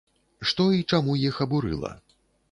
Што і чаму іх абурыла?